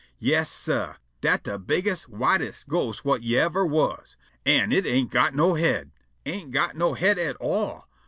Yas, sah, dat de bigges', whites' ghost whut yever was. An' it ain't got no head. Ain't got no head at all!